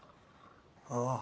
ああ。